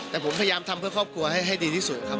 แต่ผมพยายามทำเพื่อครอบครัวให้ดีที่สุดครับ